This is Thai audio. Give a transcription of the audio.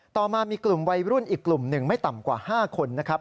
ต่อมามีกลุ่มวัยรุ่นอีกกลุ่มหนึ่งไม่ต่ำกว่า๕คนนะครับ